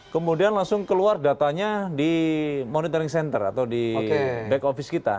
kemudian langsung keluar datanya di monitoring center atau di back office kita